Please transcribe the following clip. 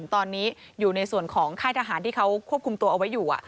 ตอนนี้อยู่ในส่วนของค่ายทหารที่เขาควบคุมตัวเอาไว้อยู่